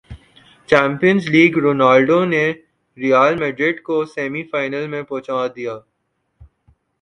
champions league Ronaldo نے Real Madrid کوسیمی final میں پہنچادیا